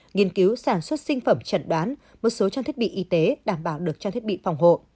nghiên cứu sản xuất sinh phẩm chẩn đoán một số trang thiết bị y tế đảm bảo được trang thiết bị phòng hộ